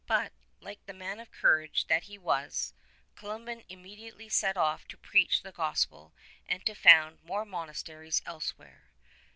But like the man of courage that he was, Columban immediately set off to preach the gospel and to found more monasteries elsewhere.